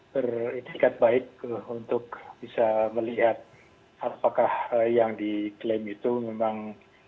beretikat baik untuk bisa melihat apakah yang diklaim itu memang